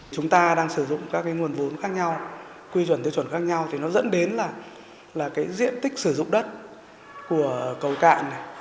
chúng ta đang sử dụng các nguồn vốn khác nhau quy chuẩn tiêu chuẩn khác nhau thì nó dẫn đến là diện tích sử dụng đất của cầu cạn